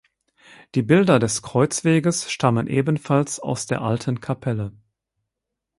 Die Bilder des Kreuzweges stammen ebenfalls aus der alten Kapelle.